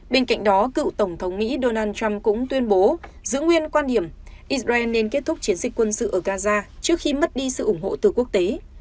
bên cạnh đó cựu tổng thống mỹ donald trump cũng tuyên bố giữ nguyên quan điểm israel nên kết thúc chiến dịch quân sự ở gaza trước khi mất đi sự ủng hộ từ quốc tế